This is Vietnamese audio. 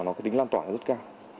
nó có tính lan toàn rất cao